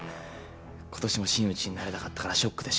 今年も真打ちになれなかったからショックで死んだんだって。